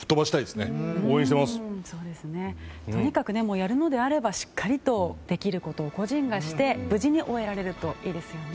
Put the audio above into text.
やるのであればしっかりとできることを個人がして無事に終えられるといいですね。